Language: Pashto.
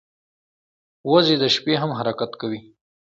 وزې د شپې هم حرکت کوي